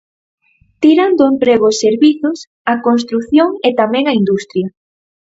Tiran do emprego os servizos, a construción e tamén a industria.